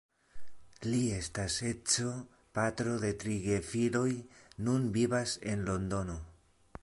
Li estas edzo, patro de tri gefiloj, nun vivas en Londono.